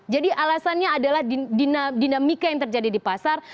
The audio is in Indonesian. jadi alasannya adalah dinamika yang terjadi di pasar